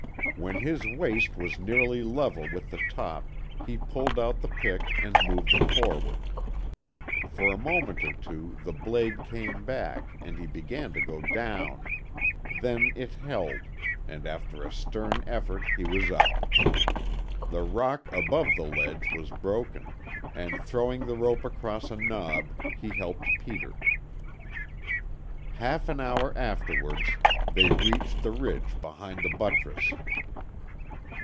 When his waist was nearly level with the top he pulled out the pick and moved it forward. For a moment or two the blade came back and he began to go down; then it held and after a stern effort he was up. The rock above the ledge was broken, and throwing the rope across a knob, he helped Peter. Half an hour afterwards, they reached the ridge behind the buttress.